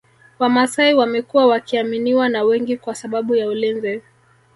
wamasai wamekuwa wakiaminiwa na wengi kwa sababu ya ulinzi